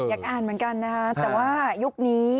อยากอ่านเหมือนกันนะคะแต่ว่ายุคนี้